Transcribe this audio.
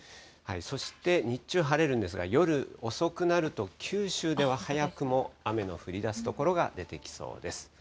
そして日中晴れるんですが、夜遅くなると、九州では早くも雨の降りだす所が出てきそうです。